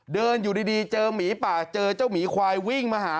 เดินอยู่ดีเจอหมีป่าเจอเจ้าหมีควายวิ่งมาหา